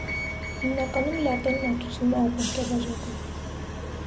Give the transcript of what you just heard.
Հիմնականում լատտեն մատուցվում է ապակյա բաժակով։